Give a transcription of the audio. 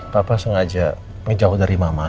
papa sengaja jauh dari mama